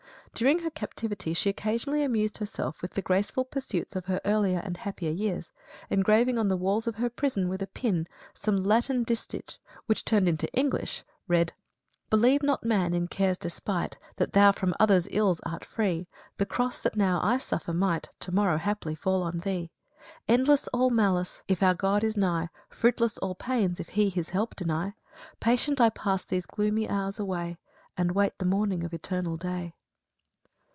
During her captivity she occasionally amused herself with the graceful pursuits of her earlier and happier years, engraving on the walls of her prison, with a pin, some Latin distich, which turned into English read: "Believe not, man, in care's despite, That thou from others' ills art free The cross that now I suffer might To morrow haply fall on thee" "Endless all malice, if our God is nigh: Fruitless all pains, if He His help deny, Patient I pass these gloomy hours away, And wait the morning of eternal day."